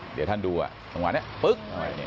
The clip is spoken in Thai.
เดี๋ยวท่านดูจังหวะนี้ปึ๊ก